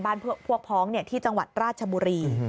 พวกพ้องที่จังหวัดราชบุรี